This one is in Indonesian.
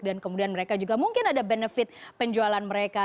dan kemudian mereka juga mungkin ada benefit penjualan mereka